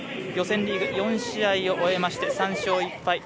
予選リーグ４試合を終えまして３勝１敗